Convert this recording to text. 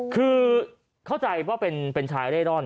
คือเข้าใจว่าเป็นชายเร่ร่อน